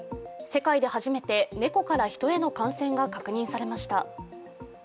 世界で初めてネコからヒトへの感染が確認されました。